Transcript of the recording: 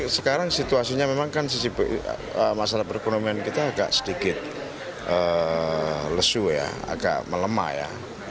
sekarang situasinya memang kan sisi masalah perekonomian kita agak sedikit lesu ya agak melemah ya